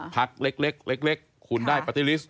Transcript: พักเล็กคุณได้ปาร์ตี้ลิสต